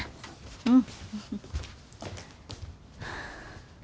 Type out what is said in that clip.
うん。